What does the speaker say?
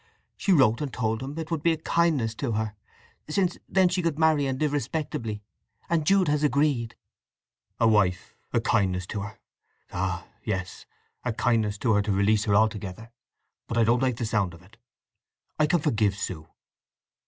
She wrote and told him it would be a kindness to her, since then she could marry and live respectably. And Jude has agreed." "A wife… A kindness to her. Ah, yes; a kindness to her to release her altogether… But I don't like the sound of it. I can forgive, Sue."